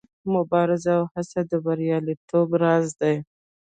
مبارزه او هڅه د بریالیتوب راز دی.